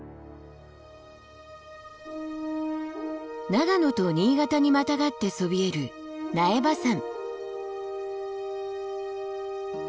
長野と新潟にまたがってそびえる苗場山。